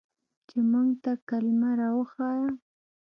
چې موږ ته کلمه راوښييه.